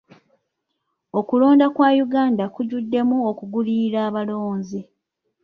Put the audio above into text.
Okulonda kwa Uganda kujjuddemu okugulirira abalonzi.